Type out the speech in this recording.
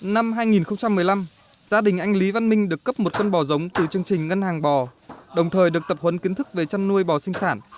năm hai nghìn một mươi năm gia đình anh lý văn minh được cấp một con bò giống từ chương trình ngân hàng bò đồng thời được tập huấn kiến thức về chăn nuôi bò sinh sản